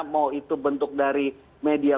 mau itu bentuk dari media